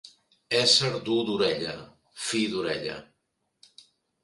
Ésser dur d'orella, fi d'orella.